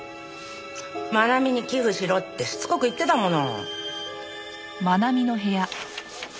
真奈美に寄付しろってしつこく言ってたもの。